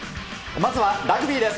まずはラグビーです。